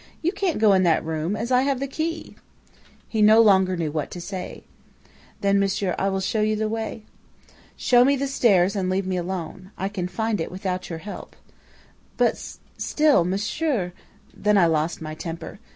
You can't go in that room, as I have the key!' "He no longer knew what to say. "'Then, monsieur, I will show you the way.' "'Show me the stairs and leave me alone. I can find it without your help.' "'But still monsieur ' "Then I lost my temper.